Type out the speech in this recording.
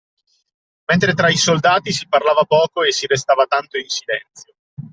Mentre tra i soldati si parlava poco e si restava tanto in silenzio